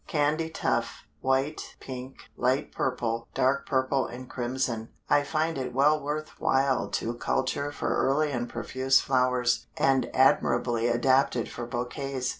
Candytuft white, pink, light purple, dark purple and crimson, I find it well worth while to culture for early and profuse flowers, and admirably adapted for bouquets.